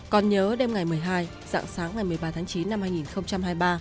còn nhớ đêm ngày một mươi hai dạng sáng ngày một mươi ba tháng chín năm hai nghìn hai mươi ba